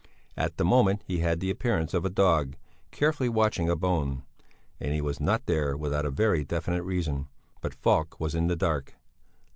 At the moment he had the appearance of a dog, carefully watching a bone; and he was not there without a very definite reason, but Falk was in the dark.